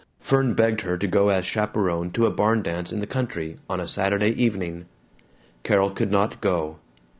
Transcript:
Fern begged her to go as chaperon to a barn dance in the country, on a Saturday evening. Carol could not go.